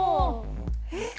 えっ？